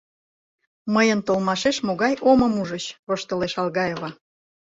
Мыйын толмашеш могай омым ужыч? — воштылеш Алгаева.